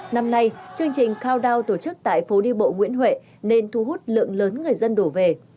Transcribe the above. năm nay chương trình coundan tổ chức tại phố đi bộ nguyễn huệ nên thu hút lượng lớn người dân đổ về